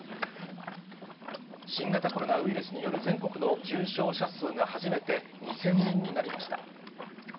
新型コロナウイルスによる全国の重症者数が初めて２０００人になりました。